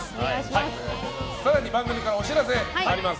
更に番組からお知らせあります。